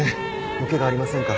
おケガありませんか？